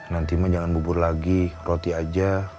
nanti mah jangan bubur lagi roti aja